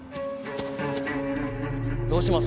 どうします？